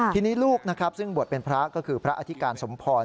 ทีนี้ลูกนะครับซึ่งบวชเป็นพระก็คือพระอธิการสมพร